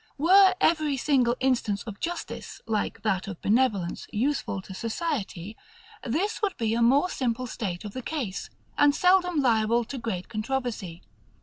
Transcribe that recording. Were every single instance of justice, like that of benevolence, useful to society; this would be a more simple state of the case, and seldom liable to great controversy.